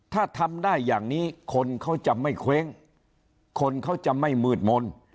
ถ้าทำได้อย่างนี้คนเขาจะไม่เคว้งคนเขาจะไม่มืดมนต์